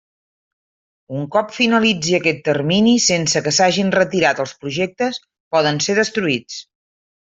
Un cop finalitzi aquest termini sense que s'hagin retirat els projectes, poden ser destruïts.